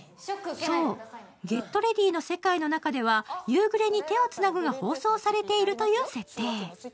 そう、「ＧｅｔＲｅａｄｙ！」の世界の中では「夕暮れに、手をつなぐ」が放送されているという設定。